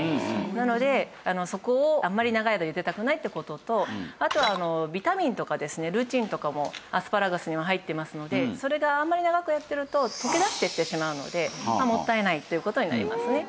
なのでそこをあんまり長い間ゆでたくないって事とあとはビタミンとかですねルチンとかもアスパラガスには入ってますのでそれがあんまり長くやってると溶け出していってしまうのでもったいないという事になりますね。